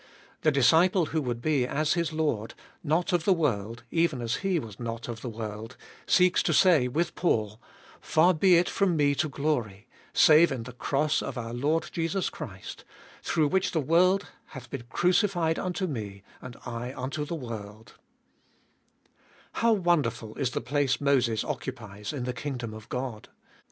The disciple who would be as his Lord, " not of the world, even as He was not of the world," seeks to say with Paul, " Far be it from me to glory, save in the cross of our Lord Jesus Christ, through which tJie world hath been crucified unto me, and I unto the world" How wonderful is the place Moses occupies in the kingdom of God.